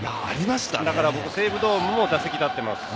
だから西武ドームの打席にも立っています。